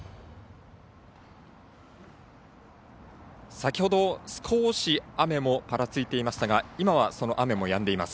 先ほど少し雨も、ぱらついていましたが今は、その雨もやんでいます。